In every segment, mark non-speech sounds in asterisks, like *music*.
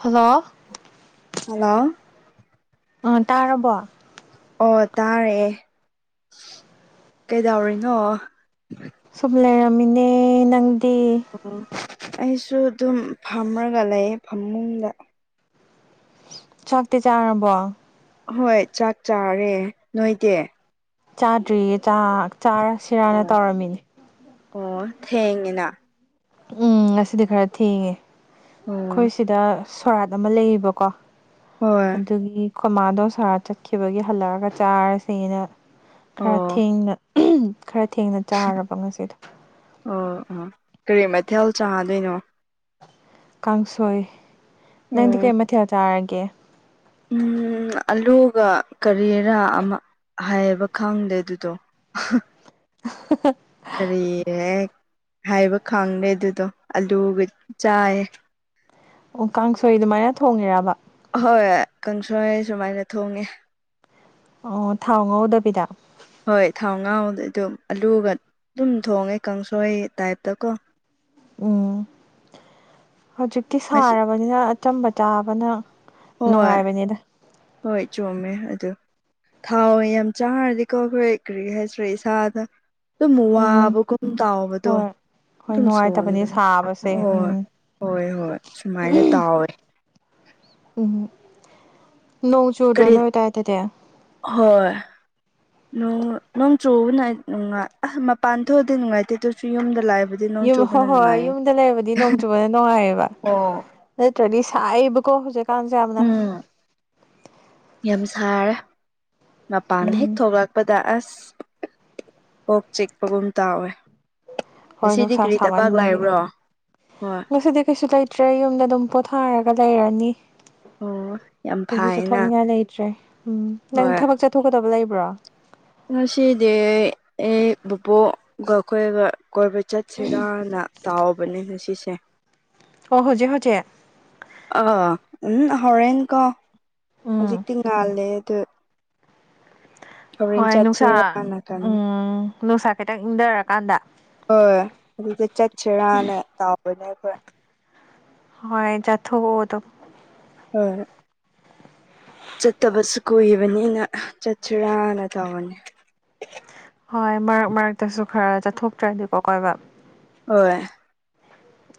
hello hello ꯑ ꯇꯥꯔꯕꯣ ꯑꯣ ꯇꯥꯔꯦ ꯀꯩꯗꯧꯔꯤꯅꯣ ꯁꯨꯝ ꯂꯩꯔꯃꯤꯅꯦ ꯅꯪꯗꯤ ꯑꯣ ꯑꯩꯁꯨ ꯑꯗꯨꯝ ꯐꯝꯔꯒ ꯂꯩꯌꯦ ꯐꯝꯃꯨꯡꯗ ꯆꯥꯛꯇꯤ ꯆꯥꯔꯕꯣ ꯍꯣꯏ ꯆꯥꯛ ꯆꯥꯔꯦ ꯅꯣꯏꯗꯤ ꯆꯥꯗ꯭ꯔꯤꯌꯦ ꯆꯥꯛ ꯆꯥꯔꯁꯤꯔꯅ ꯑꯣ ꯇꯧꯔꯝꯃꯤꯅꯦ ꯑꯣ ꯊꯦꯡꯉꯤꯅ ꯎꯝ ꯉꯁꯤꯗꯤ ꯈꯔ ꯊꯦꯡꯉꯦ ꯑꯣ ꯑꯩꯈꯣꯏ ꯁꯤꯗ ꯁꯣꯔꯥꯠ ꯑꯃ ꯂꯩꯌꯦꯕꯀꯣ ꯍꯣꯏ ꯑꯗꯨꯒꯤ ꯈꯣꯏꯃꯥꯗꯣ ꯁꯣꯔꯥꯥꯠ ꯆꯠꯈꯤꯕꯒꯤ ꯍꯜꯂꯛꯑꯒ ꯆꯥꯔꯁꯦꯅ ꯈꯔ ꯑꯣ ꯊꯦꯡꯅ ꯈꯔ ꯊꯦꯡꯅ ꯆꯥꯔꯕ ꯉꯁꯤꯗꯣ ꯑꯣ ꯑꯣ ꯀꯔꯤ ꯃꯊꯦꯜ ꯆꯥꯗꯣꯏꯅꯣ ꯀꯥꯡꯁꯣꯏ ꯅꯪꯗꯤ ꯑꯣ ꯀꯩ ꯃꯊꯦꯜ ꯆꯥꯔꯒꯦ ꯎꯝ ꯑꯂꯨꯒ ꯀꯔꯤꯔꯥ ꯑꯃ ꯍꯥꯏꯌꯦꯕ ꯈꯪꯗꯦ ꯑꯗꯨꯗꯣ ꯍꯥꯍꯥ ꯀꯔꯤꯌꯦ ꯍꯥꯏꯕ ꯈꯪꯗꯦ ꯑꯗꯨꯗꯣ ꯑꯂꯨꯒ ꯆꯥꯏꯌꯦ ꯑꯣ ꯀꯥꯡꯁꯣꯏ ꯑꯗꯨꯃꯥꯏꯅ ꯊꯣꯡꯉꯤꯔꯥꯕ ꯍꯣꯏ ꯀꯥꯡꯪꯁꯣꯏ ꯁꯨꯃꯥꯏꯅ ꯊꯣꯡꯉꯦ ꯑꯣ ꯊꯥꯎ ꯉꯧꯗꯕꯤꯗ ꯍꯣꯏ ꯊꯥꯎ ꯉꯥꯎꯗꯤ ꯑꯗꯣ ꯑꯂꯨꯒ ꯑꯗꯨꯝ ꯊꯣꯡꯉꯦ ꯀꯥꯡꯁꯣꯏ ꯇꯥꯏꯞꯇꯀꯣ ꯎꯝ ꯍꯧꯖꯤꯛꯇꯤ ꯉꯁꯤ ꯁꯥꯔꯕꯅꯤꯅ ꯑꯆꯝꯕ ꯆꯥꯕꯅ ꯍꯣꯏ ꯅꯨꯡꯉꯥꯏꯕꯅꯤꯗ ꯍꯣꯏ ꯆꯣꯃꯦ ꯑꯗꯨ ꯊꯥꯎ ꯌꯥꯝ ꯆꯥꯔꯗꯤꯀꯣ ꯑꯈꯣꯏ ꯀꯔꯤꯍꯥꯏꯁꯤꯔ ꯏꯁꯥꯗ ꯑꯗꯨꯝ ꯎꯝ ꯋꯥꯕꯒꯨꯝ ꯇꯥꯎꯕꯗꯣ ꯍꯣꯏ ꯍꯣꯏ ꯑꯗꯨꯝ ꯅꯨꯡꯉꯥꯏꯇꯕꯅꯦ ꯁꯣꯟꯕ ꯁꯥꯕꯁꯦ ꯍꯣꯏ ꯎꯝ ꯍꯣꯏ ꯍꯣꯏ ꯁꯨꯃꯥꯏꯅ ꯇꯥꯎꯋꯦ ꯎꯝ ꯅꯣꯡ ꯆꯨꯗ꯭ꯔꯣ ꯀꯔꯤ ꯅꯣꯏ ꯑꯗꯥꯏꯗꯗꯤ ꯍꯣꯏ ꯅꯣꯡ ꯆꯨꯕꯅ ꯅꯨꯡꯥꯏ ꯑꯁ ꯃꯄꯥꯟ ꯊꯣꯛꯑꯗꯤ ꯅꯨꯡꯉꯥꯏꯇꯦ ꯑꯗꯨꯁꯨ ꯌꯨꯝꯗ ꯂꯥꯛꯏꯕꯗ ꯌꯨꯝ ꯍꯣꯏ ꯍꯣꯏ ꯍꯣꯏ ꯌꯨꯝꯗ ꯂꯩꯕꯗꯤ ꯅꯣꯡ ꯆꯨꯕꯅ ꯅꯨꯡꯉꯥꯏꯌꯦꯕ ꯑꯣ ꯅꯠꯇ꯭ꯔꯗꯤ ꯁꯥꯏꯕꯀꯣ ꯍꯧꯖꯤꯛꯀꯥꯟꯁꯦ ꯌꯥꯝꯅ ꯎꯝ ꯌꯥꯝ ꯁꯥꯔꯦ ꯃꯄꯥꯟ ꯍꯦꯛ ꯎꯝ ꯊꯣꯛꯂꯛꯄꯗ ꯑꯁ ꯀꯣꯛ ꯆꯤꯛꯄꯒꯨꯝ ꯇꯥꯎꯋꯦ ꯍꯣꯏ ꯉꯁꯤꯗꯤ ꯅꯨꯡꯁꯥ ꯀꯔꯤ ꯊꯕꯛ ꯁꯥꯍꯟꯕꯒꯤ ꯂꯩꯕ꯭ꯔꯣ ꯍꯣꯏ ꯉꯁꯤꯗꯤ ꯀꯩꯁꯨ ꯂꯩ ꯇ꯭ꯔꯦ ꯌꯨꯝꯗ ꯑꯗꯨꯝ ꯄꯣꯊꯥꯔꯒ ꯂꯩꯔꯅꯤ ꯑꯣ ꯌꯥꯝ ꯀꯩꯁꯨ ꯐꯩꯅ ꯆꯠꯊꯣꯛꯅꯤꯡꯉꯥꯏ ꯂꯩꯇ꯭ꯔꯦ ꯎꯝ ꯅꯪ ꯍꯣꯏ ꯊꯕꯛ ꯆꯠꯊꯣꯛꯀꯗꯕ ꯂꯩꯕ꯭ꯔꯣ ꯉꯁꯤꯗꯤ ꯑꯩ ꯕꯨꯕꯣꯛꯒ ꯈꯣꯏꯒ ꯀꯣꯏꯕ ꯆꯠ ꯁꯤꯔꯥꯅ ꯇꯥꯎꯕꯅꯦ ꯉꯁꯤꯁꯦ ꯑꯣ ꯍꯧꯖꯤꯛ ꯍꯧꯖꯤꯛ ꯑꯥ ꯎꯝ ꯍꯧꯔꯦꯟꯅꯀꯣ ꯎꯝ ꯍꯧꯖꯤꯛꯇꯤ ꯉꯥꯜꯂꯤꯌꯦ ꯑꯗꯨ ꯍꯣꯔꯦꯟ ꯍꯣꯏ ꯅꯨꯡꯁꯥ ꯆꯠꯁꯤꯔꯥꯅ ꯈꯟꯕ ꯎꯝ ꯅꯨꯡꯁꯥ ꯈꯤꯇꯪ ꯏꯪꯊꯔꯀꯥꯟꯗ ꯍꯣꯏ ꯑꯗꯨꯗ ꯆꯠꯁꯤꯔꯥꯅ ꯇꯥꯎꯕꯅꯦ ꯑꯩꯈꯣꯏ ꯍꯣꯏ ꯆꯥꯊꯣꯛꯎ ꯑꯗꯨꯝ ꯍꯣꯏ ꯆꯠꯇꯕꯁꯨ ꯀꯨꯏꯕꯅꯤꯅ ꯆꯠꯁꯤꯔꯥꯅ ꯇꯧꯕꯅꯤ ꯍꯣꯏ ꯃꯔꯛ ꯃꯔꯛꯇꯁꯨ ꯈꯔ ꯆꯠꯊꯣꯛꯇ꯭ꯔꯗꯤꯀꯣ ꯀꯣꯏꯕ ꯍꯣꯏ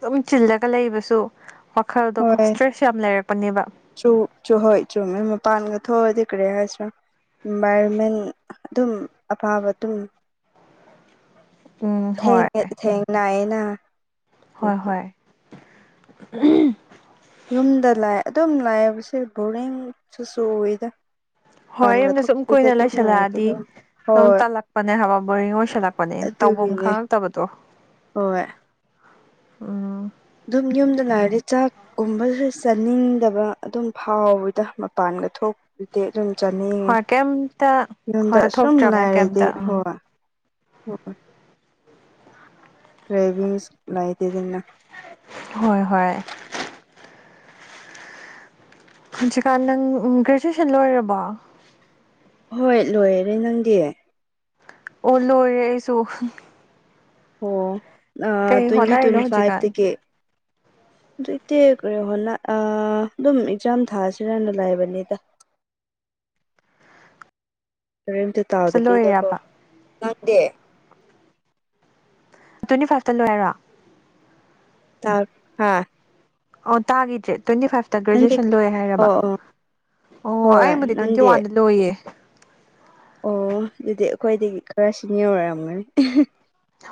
ꯑꯗꯨꯝ ꯆꯤꯜꯂꯒ ꯂꯩꯕꯁꯨ ꯋꯥꯈꯜꯗꯣꯣ ꯍꯣꯏ ꯏꯁꯇ꯭ꯔꯦꯁ ꯌꯥꯝ ꯂꯩꯔꯛꯄꯅꯦꯕ ꯆꯨ ꯆ ꯍꯣꯏ ꯆꯨ ꯃ ꯃ ꯄꯥꯟꯒ ꯊꯣꯛꯣ ꯊꯔ ꯍꯥꯏꯁ ꯏꯟꯚꯥꯏꯔꯣꯟꯃꯦꯟ ꯑꯗꯨꯝ ꯑꯐꯕ ꯑꯗꯨꯝ *unintelligible* ꯍꯣꯏ ꯊꯦꯡ ꯊꯦꯡꯅꯥꯏꯅ ꯍꯣꯏ ꯍꯣꯏ ꯌꯨꯝꯗ ꯂꯥꯛꯑ ꯑꯗꯨꯝ ꯂꯥꯛꯑꯦꯕꯁ ꯕꯣꯔꯤꯡꯁꯨꯁꯨ ꯎꯏꯗ ꯍꯣꯏ ꯌꯨꯝꯗ ꯁꯨꯝ ꯀꯨꯏꯅ ꯂꯣꯏꯁꯜꯂꯛꯑꯗꯤ ꯂꯩꯔꯗꯤꯀꯣ ꯑꯗꯨꯝ ꯍꯣꯏ ꯇꯜꯂꯛꯄꯅꯦ ꯍꯥꯏꯕ ꯕꯣꯔꯤꯡ ꯑꯣꯏꯁꯜꯂꯛꯄꯅꯦ ꯇꯧꯐꯝ ꯑꯗꯨꯒꯤꯅꯦ ꯈꯪꯉꯛꯇꯕꯗꯣ ꯍꯣꯏ ꯎꯝ ꯑꯗꯨꯝ ꯌꯨꯝꯗ ꯅꯥꯔꯦ ꯆꯥꯛ ꯒꯨꯝꯕꯗꯨꯗ ꯆꯥꯅꯤꯡꯗꯕ ꯑꯗꯨꯝ ꯐꯥꯎꯋꯗ ꯃꯄꯥꯟꯒ ꯊꯣꯛ ꯑꯗꯨꯗꯤ ꯑꯗꯨꯝ ꯆꯠꯅꯤꯡꯉꯦ ꯍꯣꯏ ꯀꯩꯝꯇ ꯌꯨꯝꯗ ꯍꯣꯏ ꯑꯁꯨꯝ ꯆꯠꯊꯣꯛꯇ꯭ꯔꯕꯅꯤꯅ ꯂꯥꯏꯔꯗꯤ ꯀꯩꯝꯇ ꯎꯝ ꯍꯣꯏꯣꯏ ꯑꯣꯣꯏꯣꯏ ꯒ꯭ꯔꯦꯚꯁ ꯂꯥꯛꯇꯗꯅ ꯍꯣꯏ ꯍꯣꯏ ꯍꯧꯖꯤꯀꯥꯟ ꯅꯪ ꯒ꯭ꯔꯦꯖꯨꯑꯦꯁꯟ ꯂꯣꯏꯔꯕꯣ ꯍꯣꯏ ꯂꯣꯏꯔꯔꯦ ꯅꯪꯗꯤ ꯑꯣ ꯂꯣꯏꯔꯦ ꯑꯩꯁꯨ ꯑꯣ ꯀꯩ ꯇ꯭ꯋꯦꯟꯇꯤ ꯍꯣꯠꯅꯔꯤꯅꯣ ꯇ꯭ꯋꯦꯟꯇ ꯐꯥꯏꯚ ꯍꯧꯖꯤꯛꯀꯥꯟ ꯇꯀ ꯑꯗꯨꯇꯦ ꯀꯦꯣ ꯍꯣꯅ ꯑꯗꯨꯝ ꯑꯦꯛꯖꯥꯝ ꯊꯥꯁꯤꯔꯅ ꯂꯑꯕꯅꯤꯗ ꯀꯔꯤꯝꯇ ꯇꯥꯎꯗꯕꯤꯗꯀꯣ ꯂꯣꯏꯔꯤꯔꯕ ꯅꯪꯗꯦ ꯇ꯭ꯋꯦꯟꯤꯥꯏꯞꯇ ꯂꯣꯏꯔꯣ ꯇ ꯍꯥꯥ ꯑꯣ ꯇꯒꯤꯗꯇꯦ ꯇ꯭ꯋꯦꯟꯇ ꯐꯁ ꯇ ꯅꯪꯗꯤ ꯒ꯭ꯔꯦꯖꯨꯑꯦꯁꯟ ꯂꯣꯏꯦ ꯍꯥꯏꯔꯕ ꯑꯣ ꯑꯣ ꯑꯣ ꯍꯣꯏ ꯑꯩꯕꯨꯗꯤ ꯇ꯭ꯋꯦꯟꯇꯤ ꯅꯪꯗꯤ ꯋꯥꯟꯗ ꯂꯣꯏꯌꯦ ꯑꯣ ꯑꯗꯨꯗꯤ ꯑꯩꯈꯣꯏꯗꯒꯤ ꯈꯔ ꯁꯤꯅꯤ ꯑꯣꯏꯔꯝꯒꯅꯤ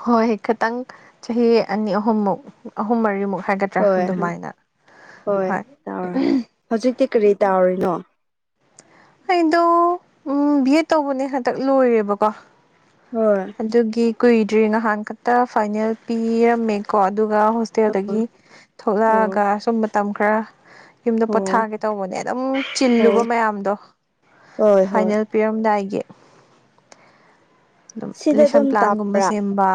ꯍꯣꯏ ꯈꯤꯇꯪ ꯆꯍꯤ ꯑꯅꯤ ꯑꯍꯨꯝꯃꯨꯛ ꯑꯍꯨꯝ ꯃꯔꯤꯃꯨꯛ ꯍꯥꯏꯒꯠ ꯅꯠꯇ꯭ꯔꯥ ꯍꯣꯏ ꯑꯗꯨꯃꯥꯏꯅ ꯍꯣꯏ ꯍꯧꯖꯤꯛꯇꯤ ꯀꯔꯤ ꯇꯥꯔꯤꯅꯣ ꯑꯩꯗꯣ ꯎ ꯕꯤ ꯑꯦꯠ ꯇꯧꯕꯅꯦ ꯍꯟꯗꯛ ꯂꯣꯏꯔꯦꯕꯀꯣ ꯍꯣꯏ ꯑꯗꯨꯒꯤ ꯀꯨꯏꯗ꯭ꯔꯤ ꯅꯍꯥꯟ ꯈꯛꯇ ꯐꯥꯏꯅꯦꯜ ꯄꯤꯔꯝꯃꯦ ꯀꯣ ꯑꯗꯨꯒ ꯑꯣ ꯍꯣꯁꯇꯦꯜꯗꯒꯤ ꯑꯣ ꯊꯣꯛꯂꯛꯑꯒ ꯁꯨꯝ ꯃꯇꯝ ꯈꯔ ꯌꯨꯝꯗ ꯑꯣ ꯄꯣꯊꯥꯒꯦ ꯇꯧꯕꯅꯦ ꯑꯗꯨꯝ ꯆꯤꯜꯂꯨꯕ ꯃꯌꯥꯝꯗꯣ ꯍꯣꯏ ꯍꯣꯏ ꯐꯥꯏꯅꯦꯜ ꯄꯤꯌꯔ ꯑꯝꯗ ꯑꯩꯒꯤ ꯑꯗꯨꯝ ꯁꯤꯗ ꯂꯦꯁꯟ ꯑꯗꯨꯝ ꯄ꯭ꯂꯥꯟꯒꯨꯝꯕ ꯇꯥꯕ꯭ꯔꯥ ꯁꯦꯝꯕ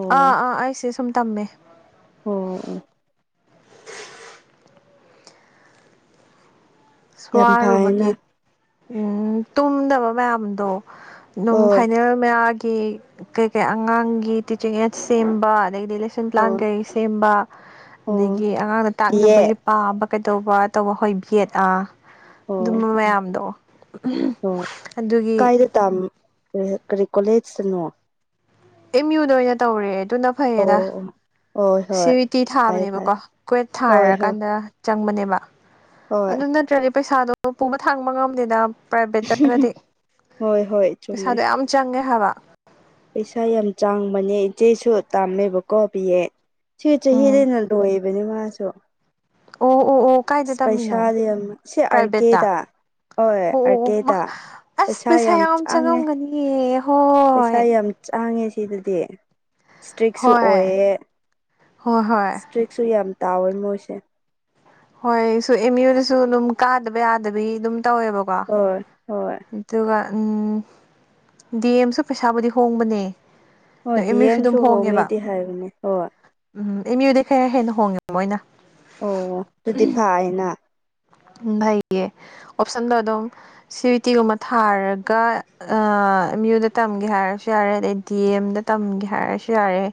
ꯑꯣ ꯑꯥ ꯑꯥ ꯑꯩꯁꯦ ꯁꯨꯝ ꯇꯝꯃꯦ ꯑꯣ ꯑꯣ ꯌꯥꯝ ꯐꯩꯅ ꯔꯨꯕꯒꯤ ꯎꯝ ꯇꯨꯝꯗꯕ ꯃꯌꯥꯝꯗꯣ ꯑꯗꯨꯝ ꯍꯣꯏ ꯐꯥꯏꯅꯦꯜ ꯃꯌꯥꯒꯤ ꯀꯩ ꯀꯩ ꯑꯉꯥꯡꯒꯤ ꯇꯤꯆꯤꯡ ꯑꯦꯠ ꯁꯦꯝꯕ ꯑꯗꯩꯗꯤꯁ ꯇꯦꯛꯁꯟ ꯄ꯭ꯂꯥꯟ ꯑꯣ ꯀꯩ ꯁꯦꯝꯕ ꯑꯣ ꯑꯗꯒꯤ ꯑꯉꯥꯡꯅ ꯕꯤ ꯑꯦ ꯇꯥꯛꯅꯕꯒꯤ ꯄꯥꯕ ꯀꯩꯗꯧꯕ ꯇꯧꯕ ꯍꯣꯏ ꯕꯦꯠ ꯑ ꯑꯣ ꯑꯗꯨꯝꯕ ꯃꯌꯥꯝꯗꯣ ꯑꯗꯨꯒꯤ ꯇ ꯀꯔꯤ ꯀꯣꯂꯦꯖꯇꯅꯣ ꯑꯦꯝ ꯌꯨꯗ ꯑꯣꯏꯅ ꯇꯧꯔꯦ ꯑꯗꯨꯅ ꯐꯩꯌꯦꯗ ꯑꯣ ꯑꯣ ꯍꯣꯏ ꯍꯣꯏ ꯁꯤꯇꯤ ꯐꯔꯦ ꯊꯥꯕꯅꯦꯕꯀꯣ ꯐꯔꯦ ꯀ꯭ꯋꯦꯠ ꯍꯣꯏ ꯍꯣꯏ ꯊꯥꯔꯀꯥꯟꯗ ꯆꯪꯕꯅꯦꯕ ꯍꯣꯏ ꯑꯗꯨ ꯅꯠꯇ꯭ꯔꯗꯤ ꯄꯩꯁꯥꯗꯣ ꯄꯨꯕ ꯊꯥꯡꯕ ꯉꯝꯗꯦꯗ ꯄ꯭ꯔꯥꯏꯚꯦꯠꯇꯔꯒꯗꯤ ꯍꯣꯏ ꯍꯣꯏ ꯆꯨꯝꯃꯦ ꯄꯩꯁꯥꯗꯣ ꯌꯥꯝ ꯆꯪꯉꯦ ꯍꯥꯏꯕ ꯄꯩꯁꯥ ꯌꯥꯝ ꯆꯥꯡꯕꯅꯦ ꯏꯆꯦꯁꯨ ꯇꯝꯃꯦꯕꯀꯣ ꯄꯕꯤꯌꯦ ꯁꯤꯦꯆ ꯎꯝ ꯍꯦꯜꯂꯅ ꯂꯣꯑꯦꯅꯤ ꯃꯥꯁꯨ ꯑꯣ ꯑꯣ ꯑꯣ ꯀꯥꯏꯗ ꯑꯁ ꯇꯝꯃꯤꯅꯣ ꯄꯩꯁꯥꯗꯤ ꯌꯥꯝ ꯁꯤ ꯑꯥꯔ ꯄ꯭ꯔꯥꯏꯚꯦꯠꯇ ꯀꯦꯗ ꯍꯣꯏ ꯑꯥꯔ ꯑꯣ ꯀꯦꯗ ꯑꯁ ꯄꯩꯁꯥ ꯌꯥꯝ ꯆꯪꯉꯝꯒꯅꯤ ꯍꯣꯏ ꯄꯩꯁꯥ ꯌꯥꯝ ꯆꯥꯡꯉꯦ ꯁꯤꯗꯗꯤ ꯏꯁꯇ꯭ꯔꯤꯛꯁꯨ ꯍꯣꯏ ꯑꯣꯏꯌꯦ ꯍꯣꯏ ꯍꯣꯏ ꯏꯁꯇꯔꯤꯛ ꯀꯛꯁꯨ ꯌꯥꯝ ꯇꯥꯎꯋꯦ ꯃꯣꯏꯁꯦ ꯍꯣꯏ ꯁ ꯑꯦꯝ ꯌꯨꯗꯁꯨ ꯑꯗꯨꯝ ꯀꯥꯗꯕ ꯌꯥꯗꯕꯤ ꯑꯗꯨꯝ ꯇꯧꯋꯦꯕꯀꯣ ꯍꯣꯏ ꯍꯣꯏ ꯑꯗꯨꯒ ꯗꯤ ꯑꯦꯝꯁꯨ ꯄꯩꯁꯥꯕꯨꯗꯤ ꯍꯣꯡꯕꯅꯦ ꯑꯗꯣ ꯍꯣꯏ ꯗꯤ ꯑꯦꯝ ꯌꯨꯁꯨ ꯑꯦꯝꯁꯨ ꯑꯗꯨꯝ ꯍꯣꯡꯉꯦꯕ ꯍꯣꯡꯉꯦꯗꯤ ꯍꯥꯏꯕꯅꯦ ꯍꯣꯏ ꯎꯝ ꯏ ꯃꯤꯑꯣꯏꯗꯩ ꯈꯔ ꯍꯦꯟꯅ ꯍꯣꯡꯉꯦꯕ ꯃꯣꯏꯅ ꯑꯣ ꯑꯗꯨꯗꯤ ꯐꯅ ꯎ ꯐꯩꯌꯦ ꯑꯣꯞꯁꯟꯗꯣ ꯑꯗꯨꯝ ꯁꯤꯕꯤ ꯇꯤꯒꯨꯝꯕ ꯊꯥꯔꯒ ꯑꯦꯝ ꯌꯨꯗ ꯇꯝꯒꯦ ꯍꯥꯏꯔꯁꯨ ꯌꯥꯔꯦ ꯑꯗꯩ ꯗꯤ ꯑꯦꯝꯗ ꯇꯝꯒꯦ ꯍꯥꯏꯔꯁꯨ ꯌꯥꯔꯦ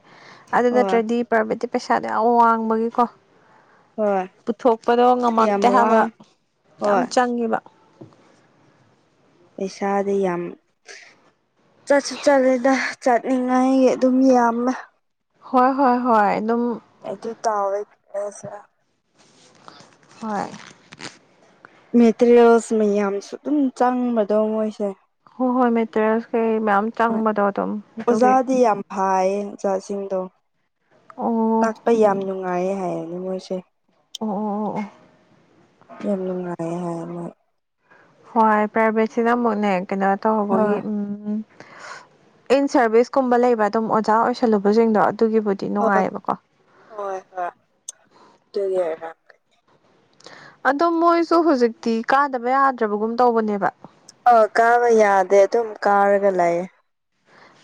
ꯑꯗꯨ ꯍꯣꯏ ꯅꯠꯇ꯭ꯔꯗꯤ ꯄ꯭ꯔꯥꯏꯚꯦꯠꯇꯤ ꯄꯩꯁꯥꯗꯣ ꯌꯥꯝ ꯋꯥꯡꯕꯒꯤꯀꯣ ꯍꯣꯏ ꯊꯣꯛꯄꯗꯣ ꯌꯥꯝ ꯉꯝꯃꯛꯇꯦ ꯍꯥꯏꯕ ꯋꯥꯡ ꯌꯥꯝ ꯍꯣꯏ ꯆꯪꯉꯦꯕ ꯄꯩꯁꯥꯗꯤ ꯌꯥꯝ ꯆꯠꯁꯨ ꯆꯠꯂꯦꯗ ꯆꯠꯅꯤꯡꯉꯥꯏꯒꯤ ꯑꯗꯨꯝ ꯌꯥꯝꯃꯦ ꯍꯣꯏ ꯍꯣꯏ ꯍꯣꯏ ꯑꯗꯨꯝ ꯑꯩꯗꯤ ꯇꯋꯦꯁ ꯍꯣꯏ ꯃꯦꯇꯔꯤꯌꯦꯜꯁ ꯃꯌꯥꯝꯁꯨ ꯑꯗꯨꯝ ꯆꯪꯕꯗꯣ ꯃꯣꯏꯁꯦ ꯍꯣꯏ ꯍꯣꯏ ꯃꯦꯇꯔꯤꯌꯦꯜꯁ ꯀꯩ ꯃꯌꯥꯝ ꯆꯪꯕꯗꯣ ꯑꯗꯨꯝ ꯑꯗꯨꯒꯤ ꯐꯌꯦ ꯆꯆꯥꯁꯤꯡꯗꯣ ꯑꯣ ꯑꯣ ꯇꯥꯛꯄ ꯌꯥꯝ ꯅꯨꯡꯉꯥꯏꯌꯦ ꯍꯥꯏꯌꯦꯅꯦ ꯃꯣꯏꯁꯦ ꯑꯣ ꯌꯥꯝꯅꯉꯑ ꯍꯥꯏ ꯍꯣꯏ ꯄ꯭ꯔꯥꯏꯚꯦꯠꯁꯤꯅ ꯑꯃꯨꯛꯅꯦ ꯀꯩꯅꯣ ꯇꯧꯧꯕꯒꯤ ꯍꯣꯏ ꯎꯝ ꯏꯟ ꯁꯔꯚꯤꯁꯀꯨꯝꯕ ꯂꯩꯕ ꯑꯗꯨꯝ ꯑꯣꯖꯥ ꯑꯣꯏꯁꯜꯂꯨꯕꯁꯤꯡꯗꯣ ꯑꯗꯨꯒꯤꯕꯨꯗꯤ ꯗꯤ ꯍꯣꯏ ꯅꯨꯡꯉꯥꯏꯌꯦꯕꯀꯣ ꯍꯣꯏ ꯍꯣꯏ ꯑꯗꯨꯒꯤ ꯍꯣꯏ ꯑꯗꯣ ꯃꯣꯏꯁꯨ ꯍꯧꯖꯤꯛꯇꯤ ꯀꯥꯗꯕ ꯌꯥꯗ꯭ꯔꯕꯒꯨꯝ ꯇꯧꯕꯅꯦꯕ ꯑ ꯀꯥꯕ ꯌꯥꯗꯦ ꯑꯗꯨꯝ ꯀꯥꯔꯒ ꯂꯩꯥꯛꯌꯦ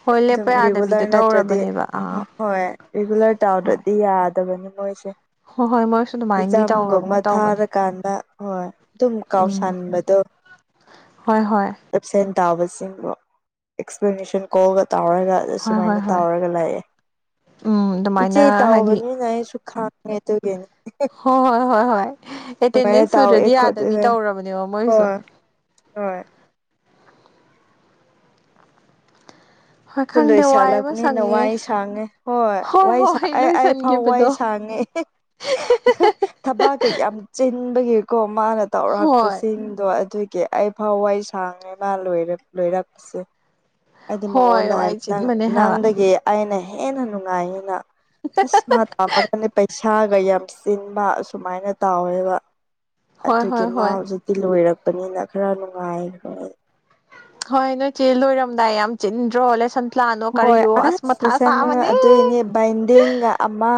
ꯍꯣꯏ ꯑꯗꯨꯝ ꯂꯦꯞꯄ ꯌꯥꯗꯕꯤꯗꯣ ꯔꯤꯒꯨꯂꯔ ꯅꯠꯇ꯭ꯔꯗꯤ ꯇꯧꯔꯕꯅꯦꯕ ꯑ ꯑꯥ ꯍꯣꯏ ꯔꯤꯒꯨꯂꯔ ꯍꯣꯏ ꯇꯥꯎꯗꯗꯤ ꯌꯥꯗꯕꯅꯤ ꯃꯣꯏꯁꯦ ꯍꯣꯏ ꯍꯣꯏ ꯃꯣꯏꯁꯨ ꯑꯗꯨꯃꯥꯏꯅꯗꯤ ꯑꯦꯛꯖꯥꯝꯒꯨꯝꯕ ꯇꯧꯔꯕꯒꯨꯝ ꯇꯧꯕꯅꯤ ꯊꯥꯔꯀꯥꯟꯗ ꯍꯣꯏ ꯑꯗꯨꯝ ꯎꯝ ꯀꯥꯎꯁꯟꯕꯗꯣ ꯍꯣꯏ ꯍꯣꯏ ꯑꯦꯞꯁꯦꯟ ꯇꯥꯕꯁꯤꯡꯗꯣ ꯑꯦꯛꯁꯄ꯭ꯂꯦꯅꯦꯁꯟ ꯀꯣꯜꯒ ꯇꯧꯔꯒ ꯑꯗ ꯍꯣꯏ ꯁꯨꯃꯥꯏꯅ ꯍꯣꯏ ꯍꯣꯏ ꯇꯥꯎꯔꯒ ꯎꯝ ꯂꯩꯥꯛꯌꯦꯦ ꯏꯆꯦ ꯑꯗꯨꯃꯥꯏꯅ ꯍꯥꯏꯗꯤ ꯇꯥꯎꯕꯅꯤꯅ ꯑꯩꯁꯨ ꯈꯥꯡꯉꯦ ꯍ ꯇꯒ ꯍꯣꯏ ꯍꯣꯏ ꯍꯣꯏ ꯍꯣꯏ ꯑꯦꯇꯦꯟꯗꯦꯟꯁ ꯇꯧꯋꯦ ꯁꯨꯗ꯭ꯔꯗꯤ ꯌꯥꯗꯕꯤ ꯈꯣꯠꯂꯦ ꯇꯧꯔꯕꯅꯦꯕ ꯃꯣꯏꯁꯨ ꯍꯣꯏ ꯍꯣꯏ ꯍꯣꯏ ꯑꯗꯨ ꯈꯪꯗꯦ ꯋꯥꯏꯕ ꯂꯣꯏꯁꯜꯂꯕꯅꯤꯅ ꯁꯪꯉꯦ ꯋꯥꯏ ꯁꯥꯡꯉꯦ ꯍꯣꯏ ꯋꯥꯏ ꯍꯣꯏ ꯑꯩ ꯑꯩ ꯐꯥꯎ ꯋꯥꯏ ꯂꯣꯏꯁꯤꯟꯈꯤꯕꯗꯣ ꯁꯥꯡꯉꯦ ꯊꯕꯥꯛꯀ ꯌꯥꯝ ꯆꯤꯟꯕꯒꯤꯀꯣ ꯃꯥꯅ ꯍꯣꯏ ꯇꯧꯔꯛꯄꯁꯤꯡꯗꯣ ꯑꯗꯨꯒꯤ ꯑꯣꯀꯦ ꯑꯩ ꯐꯥꯎꯋꯥ ꯁꯥꯡꯉꯦ ꯃꯥ ꯂꯣꯏꯔꯛꯄꯁꯦ ꯍꯥꯏꯗꯤ ꯍꯣꯏ ꯃꯉꯣꯟꯗ ꯋꯥꯏ ꯍꯥꯏꯕ ꯆꯤꯟꯕꯅꯦ ꯍꯥꯏꯕ ꯅꯪꯗꯒꯤ ꯑꯩꯅ ꯍꯦꯟꯅ ꯅꯨꯡꯉꯥꯏꯅ ꯑꯁ ꯃꯥ ꯇꯥꯝꯃꯒꯗꯤ ꯄꯩꯁꯥ ꯏꯁꯥꯒ ꯌꯥꯝ ꯆꯤꯟꯕ ꯑꯁꯨꯃꯥꯏꯅ ꯇꯥꯎꯋꯦꯕ ꯍꯣꯏ ꯑꯗꯨꯒꯤ ꯍꯣꯏ ꯃꯥ ꯍꯣꯏ ꯍꯧꯖꯤꯛ ꯤ ꯂꯣꯏꯔꯛꯄꯅꯤꯅ ꯈꯔ ꯅꯨꯡꯉꯥꯏꯈ꯭ꯔ ꯍꯣꯏ ꯅꯣꯏ ꯆꯦ ꯂꯣꯏꯔꯝꯗꯥꯏ ꯌꯥꯝ ꯆꯤꯟꯗ꯭ꯔꯣꯜꯂꯦꯟ ꯍꯣꯏ ꯑꯁ ꯂꯁ ꯑꯗꯨꯏꯅꯦ ꯕꯥꯏꯟꯗꯤꯡꯒ ꯑꯃ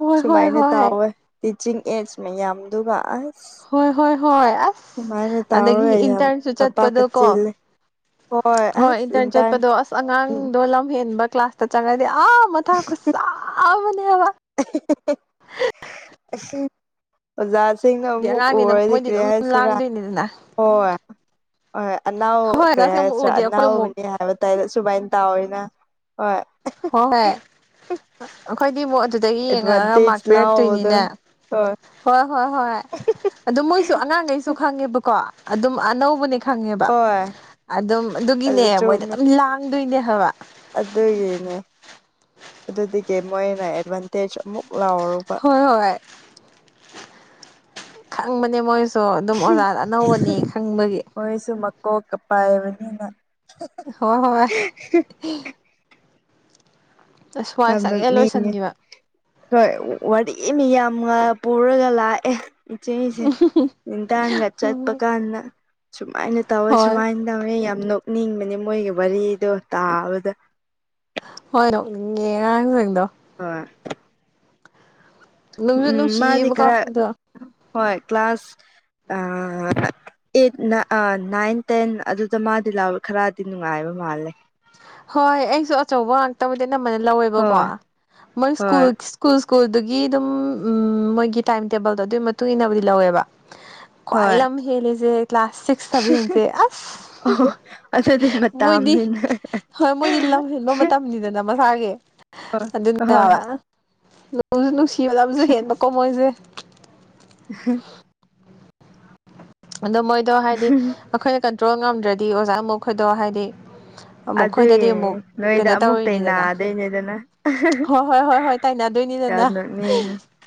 ꯍꯣꯏ ꯍꯣꯏ ꯁꯨꯃꯥꯏꯅ ꯍꯣꯏ ꯇꯥꯎꯋꯦ ꯇꯤꯆꯤꯡ ꯑꯦꯖ ꯃꯌꯥꯝꯗꯨ ꯑꯁ ꯍꯣꯏ ꯍꯣꯏ ꯍꯣꯏ ꯑꯁ ꯁꯨꯃꯥꯏꯅ ꯑꯗꯒꯤ ꯇꯧꯔꯒ ꯌꯥꯝ ꯏꯟꯇꯔꯁꯨ ꯆꯠꯄꯗꯣ ꯊꯕꯥꯛꯀ ꯀꯣ ꯆꯤꯜꯂꯦ ꯍꯣꯏ ꯏꯟꯇꯔꯟ ꯆꯠꯄꯗꯣ ꯑꯁ ꯑꯉꯥꯡꯗꯣ ꯂꯝ ꯍꯦꯟꯕ ꯀ꯭ꯂꯥꯁ ꯇ ꯆꯪꯉꯥꯏꯗꯤ ꯑ ꯃꯊꯪ ꯈꯨ ꯁꯥꯕꯅꯦ ꯍꯥꯏꯕ ꯑꯁ ꯑꯣꯖꯥꯁꯤꯡꯅ ꯍꯥꯏꯗꯤ ꯑꯃꯨꯛ ꯑꯉꯥꯡꯅꯤꯅ ꯎꯔꯗꯤ ꯃꯣꯏꯗꯤ ꯀ꯭ꯔꯦ ꯑꯗꯨꯝ ꯍꯥꯏꯁꯤꯔꯥ ꯂꯥꯡꯗꯣꯏꯅꯤꯗꯅ ꯍꯣꯏ ꯍꯣꯏꯣꯏ ꯑꯅꯥꯎ ꯍꯣꯏ ꯀꯔꯤ ꯑꯣꯖꯥꯁꯤꯡ ꯑꯃꯨꯛ ꯍꯥꯏꯁ꯭ꯔꯥ ꯎꯔꯗꯤ ꯑꯩꯈꯣꯏ ꯑꯅꯥꯎꯅꯤ ꯑꯃꯨꯛ ꯍꯥꯏ ꯍꯥꯏꯕ ꯇꯥꯏ ꯁꯨꯕꯥꯥꯏꯅ ꯇꯥꯑꯣꯏꯅ ꯍꯣꯏ ꯍꯣꯏ ꯍꯣꯏ ꯑꯩꯈꯣꯏꯗꯤ ꯑꯃꯨꯛ ꯑꯗꯨꯗꯒꯤ ꯌꯦꯡꯉꯛꯑꯒ ꯃꯥꯥꯛ ꯑꯦꯗꯚꯥꯟꯇꯦꯖ ꯂꯥꯎꯕꯗꯣ ꯄꯤꯔꯛꯇꯣꯏꯅꯤꯅꯦ ꯍꯣꯏ ꯍꯣꯏ ꯍꯣꯏ ꯍꯣꯏ ꯑꯗꯨ ꯃꯣꯏꯁꯨ ꯑꯉꯥꯡꯈꯩꯁꯨ ꯈꯪꯉꯦꯕꯀꯣ ꯑꯗꯨꯝ ꯑꯅꯧꯕꯅꯤ ꯈꯪꯉꯦꯕ ꯍꯣꯏ ꯑꯗꯨꯝ ꯑꯗꯨꯒꯤꯅꯦ ꯑꯗꯨ ꯃꯣꯏꯗ ꯆꯨꯝꯃꯦ ꯑꯗꯨꯝ ꯂꯥꯡꯗꯣꯏꯅꯦ ꯍꯥꯏꯕ ꯑꯗꯨꯒꯤꯅꯦ ꯑꯗꯨꯗꯒꯤ ꯃꯣꯏꯅ ꯑꯦꯗꯚꯥꯟꯇꯦꯖ ꯑꯃꯨꯛ ꯂꯥꯎꯔꯨꯕ ꯍꯣꯏ ꯍꯣꯏ ꯈꯪꯕꯅꯦ ꯃꯣꯏꯁꯨ ꯑꯗꯨꯝ ꯑꯣꯖꯥ ꯑꯅꯧꯕꯅꯤ ꯈꯪꯕꯒꯤ ꯃꯣꯏꯁꯨ ꯃꯀꯣꯛ ꯄꯥꯏꯕꯅꯤꯅ ꯍꯣꯏ ꯍꯣꯏ ꯑꯁ꯭ꯋꯥꯏ ꯌꯥꯝ ꯁꯪꯉꯦ ꯅꯣꯛꯅꯤꯡꯉꯦ ꯂꯣꯏꯁꯤꯟꯈꯤꯕ ꯍꯣꯏ ꯋꯥꯔꯤ ꯃꯤ ꯌꯥꯝ ꯄꯨꯔꯒ ꯂꯥꯛꯑꯦ ꯏꯆꯦꯁꯦ ꯦꯟꯗꯥꯡꯒ ꯆꯠꯄ ꯍꯣꯏ ꯀꯥꯟꯗ ꯁꯨꯃꯥꯏꯅ ꯇꯧꯋꯦ ꯍꯣꯏ ꯁꯨꯃꯥꯏꯅ ꯅꯧꯦ ꯌꯥꯝ ꯅꯣꯛꯅꯤꯡꯕꯅꯦ ꯃꯣꯏꯒꯤ ꯋꯥꯔꯤꯗꯣ ꯇꯥꯕꯗ ꯍꯣꯏ ꯅꯣꯛꯅꯤꯡꯉ ꯑꯉꯥꯡꯁꯤꯡꯗꯣ ꯑ ꯅꯨꯡꯁꯨ ꯎꯝ ꯃꯥꯗꯤ ꯅꯨꯡꯁꯤꯌꯦꯕꯀꯣ ꯈꯔ ꯍꯣꯏ ꯀ꯭ꯂꯥꯁ ꯎ ꯑꯦꯠ ꯅꯥꯏꯟ ꯇꯦꯟ ꯑꯗꯨꯗ ꯃꯥꯗꯤ ꯂꯥꯎ ꯈꯔꯗꯤ ꯅꯨꯡꯉꯥꯏꯕ ꯃꯥꯜꯂꯦ ꯍꯣꯏ ꯑꯩꯁꯨ ꯑꯆꯧꯕ ꯉꯥꯛꯇꯕꯨꯗꯤ ꯑꯅꯝꯕꯅ ꯂꯧꯋꯦꯕꯀꯣ ꯍꯣꯏ ꯃꯣꯏ ꯁ꯭ꯀꯨꯜ ꯍꯣꯏ ꯁ꯭ꯀꯨꯜ ꯁ꯭ꯀꯨꯜꯗꯨꯒꯤ ꯑꯗꯨꯝ ꯎꯝ ꯃꯣꯏꯒꯤ ꯇꯥꯏꯝ ꯇꯦꯕꯜꯗꯣ ꯑꯗꯨꯒꯤ ꯃꯇꯨꯡ ꯏꯟꯅꯕꯨꯗꯤ ꯂꯧꯋꯦꯕ ꯀ꯭ꯋꯥꯏ ꯍꯣꯏ ꯑꯃ ꯍꯦꯂꯖꯦ ꯂꯁ ꯆꯕꯤꯁꯦ ꯑꯁ ꯑꯣ ꯑꯗꯨꯗꯤ ꯃꯣꯏꯗꯤ ꯃꯇꯝꯅꯤꯅ ꯍꯣꯏ ꯃꯣꯏꯗꯤ ꯂꯝꯁꯤꯦꯟꯕ ꯃꯇꯝꯅꯤꯗꯅ ꯃꯁꯥꯒꯤ ꯍꯣꯏ ꯍꯣꯏ ꯑꯗꯨꯕ ꯅꯣꯡꯁꯨ ꯅꯨꯡꯁꯤꯕꯗꯕꯨꯁꯨ ꯍꯦꯟꯕꯀꯣ ꯃꯣꯏꯁꯦ ꯎꯝ ꯑꯗꯣ ꯃꯣꯏꯗꯣ ꯍꯥꯏꯗꯤ ꯑꯩꯈꯣꯏꯅ ꯀꯟꯇ꯭ꯔꯣꯜ ꯉꯝꯗ꯭ꯔꯗꯤ ꯑꯣꯖꯥ ꯃꯈ ꯑꯩꯣꯏꯗꯣ ꯍꯥꯏꯗꯤ ꯑꯃꯨꯛ ꯑꯩꯈꯣꯏꯗꯗꯤ ꯑꯗꯨꯒꯤꯅꯦ ꯑꯃꯨꯛ ꯅꯣꯏꯗ ꯀꯩꯅꯣ ꯑꯃꯨꯛꯇ ꯇꯧꯔꯤꯅꯤꯗꯅ ꯅꯥꯗꯣꯏꯅꯦꯗꯅ ꯍꯣꯏ ꯍꯣꯏ ꯍꯣꯏ ꯍꯣꯏ ꯇꯥꯏꯅꯗꯣꯏꯅꯤꯗꯅ ꯌꯥꯣꯅꯤ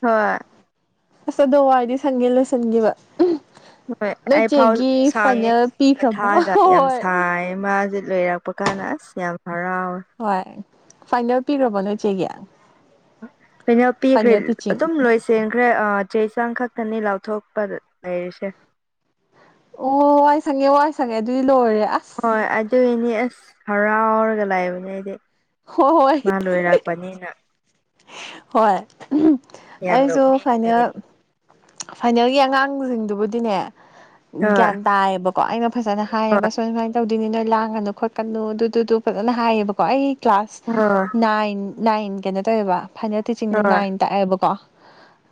ꯍꯣꯏ ꯑꯁ ꯑꯗꯋꯥꯏꯗꯤ ꯁꯪꯒꯦ ꯂꯣꯏꯁꯤꯟꯈꯤꯕ ꯍꯣꯏ ꯅꯣꯏ ꯑꯩ ꯐꯥꯎ ꯆꯦꯒꯤ ꯁꯥꯡꯉꯦ ꯐꯥꯏꯅꯦꯜ ꯄꯤꯈ꯭ꯔꯕꯣ ꯊꯥꯒ ꯌꯥꯝ ꯍꯣꯏ ꯁꯥꯡ ꯃꯥꯁꯦ ꯂꯣꯏꯔꯄ ꯄꯀꯥꯟ ꯑꯁ ꯌꯥꯝ ꯍꯔꯥꯎꯋꯦ ꯍꯣꯏ ꯐꯥꯏꯅꯦꯜ ꯄꯤꯈ꯭ꯔꯕꯣ ꯅꯣ ꯏꯆꯦꯒꯤ ꯂꯣꯏꯅ ꯄꯤꯈ꯭ꯔꯦ ꯇꯤꯆꯤꯡ ꯑꯗꯨꯝ ꯂꯣꯏꯁ ꯆꯦꯟꯈ꯭ꯔꯦ ꯆꯦ ꯆꯥꯡ ꯈꯛꯇꯅꯤ ꯂꯥꯎꯊꯣꯛꯄ ꯂꯩꯔꯤꯁꯦ ꯑꯣ ꯋꯥꯏ ꯁꯪꯉꯦ ꯋꯥꯏ ꯁꯪꯉꯦ ꯑꯗꯨꯗꯤ ꯂꯣꯏꯔꯦ ꯑꯁ ꯍꯣꯏ ꯑꯗꯨꯒꯤꯅꯤ ꯑꯁ ꯍꯔꯥꯎꯔꯒ ꯂꯥꯛꯏꯕꯅꯦ ꯑꯩꯗꯤ ꯍꯣꯏ ꯍꯣꯏ ꯃꯥ ꯂꯣꯏꯔꯥꯛꯄꯅꯤꯅ ꯍꯣꯏ ꯌꯥꯝ ꯑꯩꯁꯨ ꯅꯣꯛꯅꯤꯡꯕꯅꯦ ꯐꯥꯏꯅꯦꯜ ꯐꯥꯏꯅꯦꯜꯒꯤ ꯑꯉꯥꯡꯁꯤꯡꯗꯨꯕꯨꯗꯤꯅꯦ ꯍꯣꯏ ꯒ꯭ꯌꯥꯟ ꯇꯥꯏꯌꯦꯕꯀꯣ ꯑꯩꯅ ꯐꯖꯅ ꯍꯥꯏꯌꯦꯕ ꯍꯣꯏ ꯁꯨꯝꯥꯏ ꯁꯨꯃꯥꯏꯅ ꯇꯧꯗꯣꯏꯅꯤ ꯅꯣꯏ ꯂꯥꯡꯒꯅꯨ ꯈꯣꯠꯀꯅꯨ ꯑꯗꯨꯗꯨꯗꯨ ꯐꯖꯅ ꯍꯥꯏꯌꯦꯕꯀꯣ ꯑꯩ ꯀ꯭ꯂꯥꯁ ꯍꯣꯏ ꯍꯣꯏ ꯅꯥꯏꯟ ꯅꯥꯏꯟ ꯀꯩꯅꯣ ꯇꯧꯋꯦꯕ ꯐꯥꯏꯅꯦꯜ ꯇꯤꯆꯤꯡꯗ ꯍꯣꯏ ꯅꯥꯏꯟ ꯇꯥꯛꯑꯦꯕꯀꯣ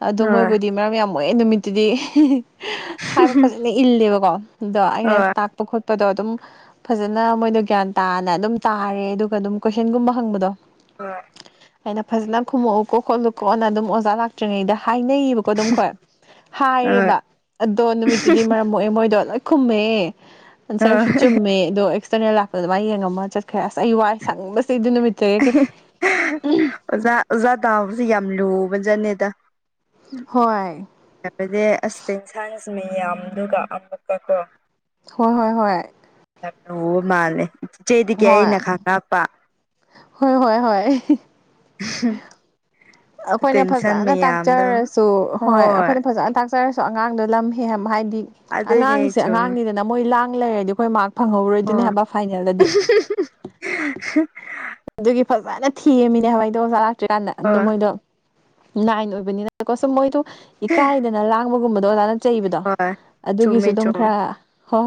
ꯑꯗꯣ ꯍꯣꯏ ꯃꯣꯏꯕꯨꯗꯤ ꯃꯔꯝ ꯌꯥꯝ ꯃꯣꯏꯦ ꯅꯨꯃꯤꯠꯇꯨꯗꯤ ꯍꯥꯏꯕ ꯐꯖꯅ ꯏꯜꯂꯦꯕꯀꯣ ꯗꯣ ꯑꯩꯅ ꯍꯣꯏ ꯍꯣꯏ ꯇꯥꯛ ꯈꯣꯠꯄ ꯈꯣꯠꯄꯗꯣ ꯑꯗꯨꯝ ꯐꯖꯅ ꯃꯣꯏꯗꯣ ꯒ꯭ꯌꯥꯟ ꯇꯥꯅ ꯑꯗꯨꯝ ꯇꯥꯔꯦ ꯑꯗꯨꯒ ꯑꯗꯨꯝ ꯀꯣꯏꯁꯟꯒꯨꯝꯕ ꯍꯪꯕꯗꯣ ꯑꯣ ꯑꯩꯅ ꯐꯖꯅ ꯈꯨꯝꯃꯛꯎꯀꯣ ꯈꯣꯠꯂꯨ ꯀꯣꯅ ꯑꯗꯨꯝ ꯑꯣꯖꯥ ꯂꯥꯛꯇ꯭ꯔꯤꯉꯩꯗ ꯍꯥꯏꯅꯩꯌꯦꯕ ꯀ ꯑꯗꯨꯝ ꯈꯣꯏ ꯍꯥꯏꯔꯦꯕ ꯑꯗꯣ ꯅꯨꯃꯤꯠꯇꯨꯗꯤ ꯃꯔꯝ ꯑꯣꯏꯣꯛꯑꯦ ꯃꯣꯏꯗꯣ ꯂꯣꯏ ꯈꯨꯝꯃꯦ ꯑꯟꯁꯔꯁꯨ ꯆꯨꯝꯃꯦ ꯑꯗꯣ ꯆꯅꯦꯜ ꯂꯥꯛꯄ ꯑꯗꯨꯃꯥꯏꯅ ꯌꯦꯡꯉꯝꯃ ꯆꯠꯈ꯭ꯔꯦ ꯑꯁ ꯑꯩ ꯋꯥꯏ ꯁꯪꯕꯁꯤ ꯑꯩ ꯑꯗꯨ ꯅꯨꯃꯤꯠꯇꯒ ꯀ ꯑꯣꯖꯥ ꯑꯣꯖꯥ ꯇꯥꯕꯁꯤꯦ ꯌꯥꯝ ꯂꯨꯕ ꯖꯥꯠꯅꯦꯗ ꯍꯣꯏ ꯍꯥꯏꯕꯗꯤ ꯑꯁ ꯇꯦꯟꯁꯥꯡꯁ ꯃꯌꯥꯝꯗꯨꯒ ꯑꯃꯨꯛꯀ ꯀꯣ ꯍꯣꯏ ꯍꯣꯏ ꯍꯣꯏ ꯂꯨꯕ ꯃꯥꯜꯂꯦ ꯏꯆꯦꯗꯒꯤ ꯍꯣꯏ ꯑꯩꯅ ꯈꯪꯉꯛꯄ ꯍꯣꯏ ꯍꯣꯏ ꯍꯣꯏ *unintelligible* ꯑꯩꯈꯣꯏꯅ ꯇꯦꯟꯁꯟ ꯐꯖꯅ ꯃꯌꯥꯝꯗꯣ ꯇꯥꯛꯆꯔꯁꯨ ꯍꯣꯏ ꯑꯩꯈꯣꯏꯅ ꯐꯖꯅꯥꯛꯆ ꯆꯆꯔꯁꯨ ꯑꯉꯥꯡꯗꯣ ꯂꯝ ꯍꯦꯟ ꯍꯥꯏꯗꯤ ꯑꯗꯨꯅꯦ ꯑꯉꯥꯡꯁꯦ ꯆꯨꯝꯃꯦ ꯑꯉꯥꯡꯅꯤ ꯅ ꯃꯣꯏ ꯂꯥꯡ ꯂꯩꯔꯗꯤ ꯑꯩꯈꯣꯏ ꯃꯥꯔꯛ ꯐꯪꯍꯧꯔꯣꯏꯗꯣꯏꯅꯦ ꯍꯣꯏ ꯍꯥꯏꯕ ꯐꯥꯏꯅꯦꯜꯗꯗꯤ ꯑꯗꯨꯒꯤ ꯐꯖꯅ ꯊꯤꯃꯤꯅꯦ ꯍꯋꯥꯏꯗꯣ ꯑꯣꯖꯥ ꯂꯥꯛꯇ꯭ꯔꯤꯀꯥꯟꯗ ꯑꯗꯨ ꯍꯣꯏ ꯃꯣꯏꯗꯣ ꯅꯥꯏꯟ ꯑꯣꯏꯕꯅꯤꯅꯀꯣ ꯁꯨꯝ ꯃꯣꯏꯗꯣ ꯏꯀꯥꯏ ꯍꯗꯅ ꯂꯥꯡꯕꯒꯨꯝꯕꯗꯣ ꯑꯣꯖꯥꯅ ꯆꯩꯕꯗꯣ ꯍꯣꯏ ꯑꯗꯨꯒꯤꯁꯨ ꯆꯨꯝꯃꯦ ꯑꯗꯨꯝ ꯆꯨꯝꯃꯦ ꯈꯔ ꯍꯣꯏ ꯍꯣꯏ